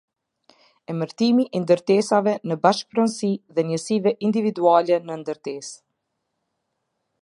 Emërtimi i ndërtesave në bashkëpronësi dhe njësive individuale në ndërtesë.